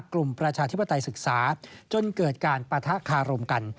ประชาธิปไตยศึกษาจนเกิดการปะทะคารมกัน